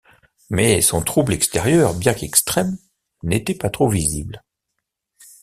Mais son trouble extérieur, bien qu’extrême, n’était pas trop visible.